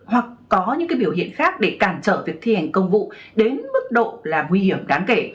hoặc có những biểu hiện khác để cản trở việc thi hành công vụ đến mức độ là nguy hiểm đáng kể